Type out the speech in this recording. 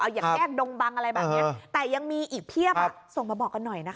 อย่างแยกดงบังอะไรแบบนี้แต่ยังมีอีกเพียบส่งมาบอกกันหน่อยนะคะ